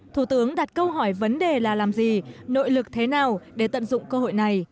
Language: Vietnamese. thủ tướng đặt câu hỏi vấn đề là làm gì nội lực thế nào để tận dụng cơ hội này